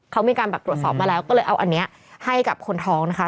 เขามีการแบบตรวจสอบมาแล้วก็เลยเอาอันนี้ให้กับคนท้องนะคะ